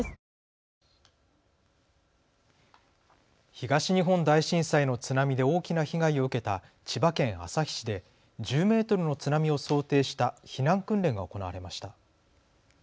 東日本大震災の津波で大きな被害を受けた千葉県旭市で１０メートルの津波を想定した避難訓練が行われました。